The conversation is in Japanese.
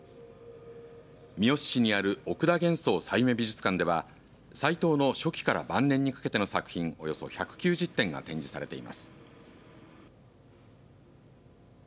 三次市にある奥田元宋・小由女美術館では斉藤の初期から晩年にかけての作品およそ１９０点が展示されています。